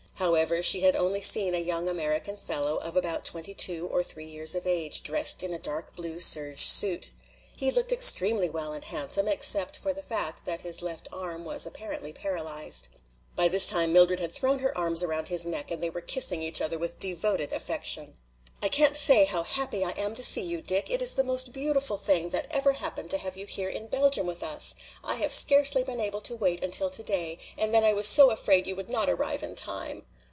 However, she had only seen a young American fellow of about twenty two or three years of age, dressed in a dark blue serge suit. He looked extremely well and handsome, except for the fact that his left arm was apparently paralyzed. By this time Mildred had thrown her arms about his neck and they were kissing each other with devoted affection. "I can't say how happy I am to see you, Dick. It is the most beautiful thing that ever happened to have you here in Belgium with us! I have scarcely been able to wait until today, and then I was so afraid you would not arrive in time."